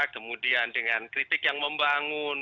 kemudian dengan kritik yang membangun